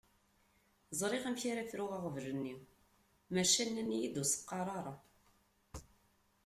Ẓriɣ amek ara fruɣ aɣbel-nni maca nnan-iyi-d ur s-qqar ara.